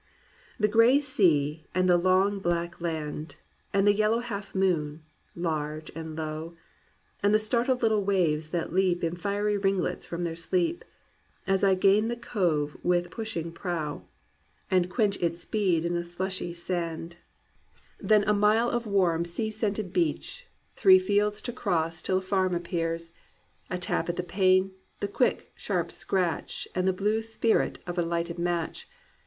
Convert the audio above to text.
"The gray sea and the long black land; And the yellow half moon, large and low; And the startled little waves that leap In fiery ringlets from their sleep, As I gain the cove with pushing prow. And quench its speed in the slushy sand. 261 COMPANIONABLE BOOKS Then a mile of warm sea scented beach; Three fields to cross till a farm appears; A tap at the pane, the quick sharp scratch And the blue spirt of a lighted match.